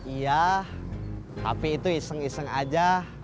iya tapi itu iseng iseng aja